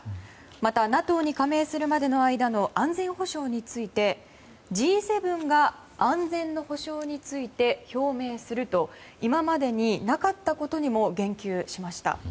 またＮＡＴＯに加盟するまでの間の安全保障についてＧ７が安全の保障について表明すると今までになかったことにも言及しました。